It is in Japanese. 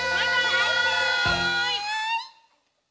バイバーイ！